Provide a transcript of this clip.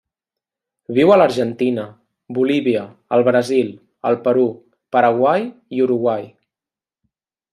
Viu a l'Argentina, Bolívia, el Brasil, el Perú, Paraguai i Uruguai.